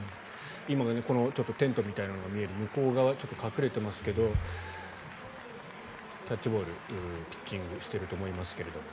今、テントみたいなのが見える向こう側、隠れていますけどキャッチボール、ピッチングをしていると思いますが。